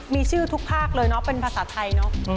มีชื่อทุกภาคเลยเนาะเป็นภาษาไทยเนอะ